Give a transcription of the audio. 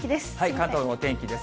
関東のお天気です。